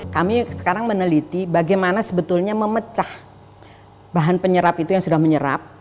kami sekarang meneliti bagaimana sebetulnya memecah bahan penyerap itu yang sudah menyerap